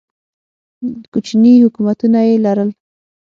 کوچني حکومتونه یې لرل.